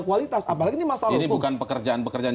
kualitas apalagi ini masalah ini bukan pekerjaan pekerjaan